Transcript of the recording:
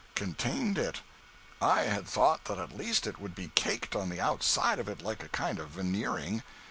Contained it! I had thought that at least it would be caked on the outside of it like a kind of veneering.